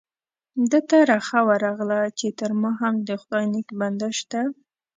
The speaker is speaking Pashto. ده ته رخه ورغله چې تر ما هم د خدای نیک بنده شته.